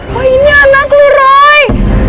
wah ini anak lu roy